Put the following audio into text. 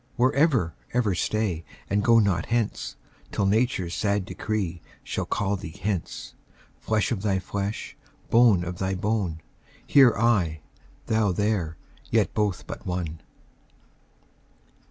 Where ever, ever stay, and go not thence, Till nature's sad decree shall call thee hence; Flesh of thy flesh, bone of thy bone, I here, thou there, yet both but one.